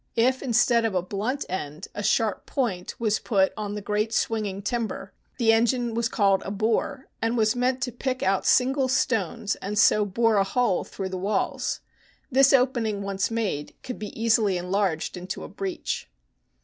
If instead of a blunt end, a sharp point was put on the great swinging timber, the engine was called a " bore," and was meant to pick out single stones, and so bore a hole through the walls. This opening once made could be easily enlarged into a breach.